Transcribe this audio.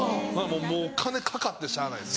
もう金かかってしゃあないです。